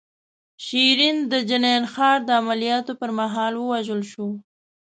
شیرین د جنین ښار د عملیاتو پر مهال ووژل شوه.